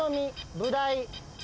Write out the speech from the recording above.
ブダイ。